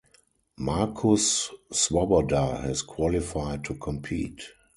Markus Swoboda has qualified to compete.